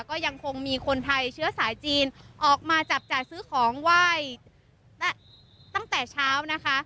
ก็ยังคงมีคนไทยเชื้อสายจีนออกมาจับจ่ายซื้อของไหว้ตั้งแต่เช้านะคะ